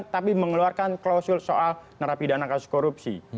tapi mengeluarkan klausul soal nerapi dana kasus korupsi